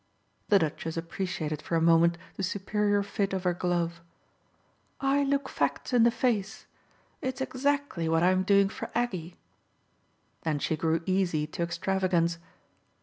The Duchess appreciated for a moment the superior fit of her glove. "I look facts in the face. It's exactly what I'm doing for Aggie." Then she grew easy to extravagance.